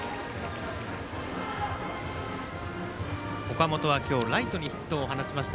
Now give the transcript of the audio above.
岡本は今日ライトにヒットを放ちました。